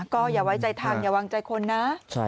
ก็อย่าไว้ใจทางอย่าวางใจคนนะ